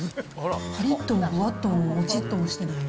かりっともふわっとももちっともしてない。